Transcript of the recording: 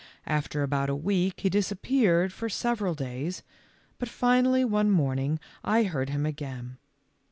After about a week he disappeared for several days, but finally one morning I heard him again.